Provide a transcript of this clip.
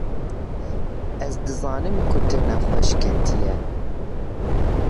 Ez dizanim ku tu nexweş ketiye